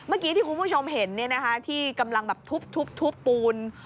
เมื่อกี้ที่คุณผู้ชมเห็นที่กำลังแบบทุบปูน